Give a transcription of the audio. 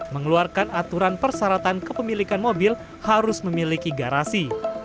mengeluarkan aturan persyaratan kepemilikan mobil harus memiliki garasi